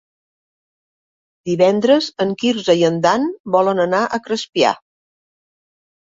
Divendres en Quirze i en Dan volen anar a Crespià.